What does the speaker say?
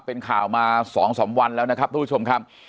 เป็นข่าวมา๒๓วันแล้วนะครับทุกผู้ชมครับ